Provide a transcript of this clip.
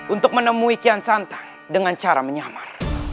untuk menemui kian santa dengan cara menyamar